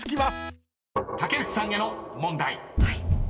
［竹内さんへの問題］